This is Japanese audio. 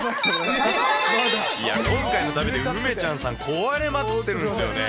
今回の旅で梅ちゃんさん、壊れまくってるんですよね。